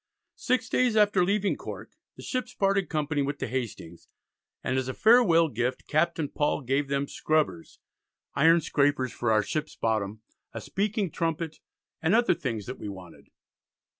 Six days after leaving Cork the ships parted company with the Hastings, and as a farewell gift Captain Paul gave them "Scrubbers, Iron Scrapers for our ship's bottom, a speaking trumpet, and other things that we wanted."